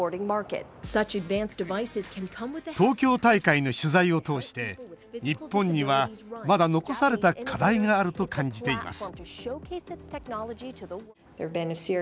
東京大会の取材を通して日本には、まだ残された課題があると感じています